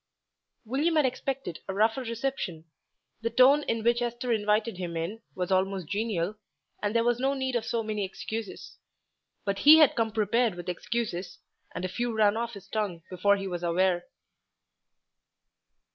William had expected a rougher reception. The tone in which Esther invited him in was almost genial, and there was no need of so many excuses; but he had come prepared with excuses, and a few ran off his tongue before he was aware.